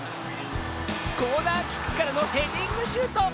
コーナーキックからのヘディングシュート。